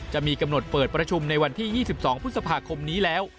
จะมีกำหนดเปิดประชุมในวันที่๒๒พฤษภาคมนี้แล้ว